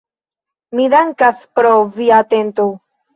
Mi dankas pro via atento.